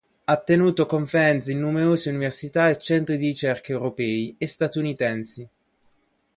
Ha tenuto conferenze in numerose Università e Centri di Ricerca europei e statunitensi.